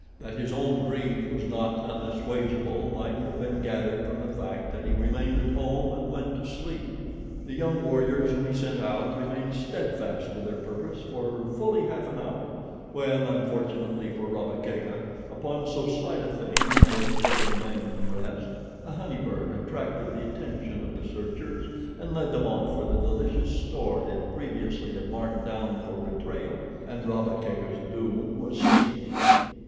That his own grief was not unassuagable might have been gathered from the fact that he remained at home and went to sleep. The young warriors whom he sent out remained steadfast to their purpose for fully half an hour, when, unfortunately for Rabba Kega upon so slight a thing may the fate of a man rest a honey bird attracted the attention of the searchers and led them off for the delicious store it previously had marked down for betrayal, and Rabba Kega's doom was sealed.